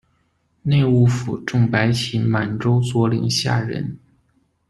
内务府正白旗满洲佐领下人。